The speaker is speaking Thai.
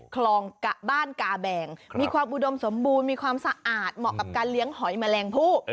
คลองบ้านกาแบงมีความอุดมสมบูรณ์มีความสะอาดเหมาะกับการเลี้ยงหอยแมลงผู้